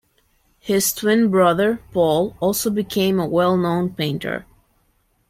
His twin brother, Paul, also became a well-known painter.